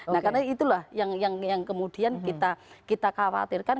nah karena itulah yang kemudian kita khawatirkan